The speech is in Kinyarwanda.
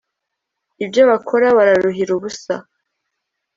ibyo bakora bararuhira ubusa